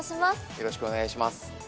よろしくお願いします。